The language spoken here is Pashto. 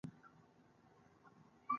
بادام د افغان کلتور په داستانونو کې راځي.